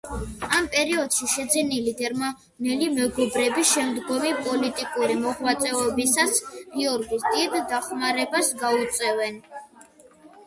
ამ პერიოდში შეძენილი გერმანელი მეგობრები შემდგომი პოლიტიკური მოღვაწეობისას გიორგის დიდ დახმარებას გაუწევენ.